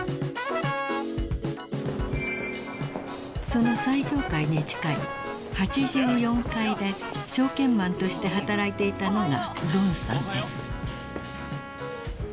［その最上階に近い８４階で証券マンとして働いていたのがロンさんです］